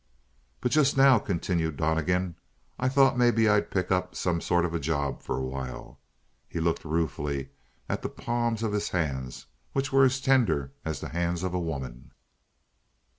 "But just now," continued Donnegan, "I thought maybe I'd pick up some sort of a job for a while." He looked ruefully at the palms of his hands which were as tender as the hands of a woman.